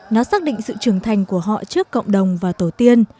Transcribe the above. nó xác định sự trưởng thành của họ trước cộng đồng và tổ tiên